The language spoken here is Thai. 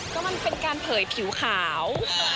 ก็มันเป็นการเผยผิวขาว